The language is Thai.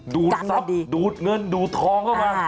ดูดทรัพย์ดูดเงินดูดทองเข้ามา